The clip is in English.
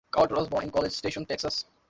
Coulter was born in College Station, Texas.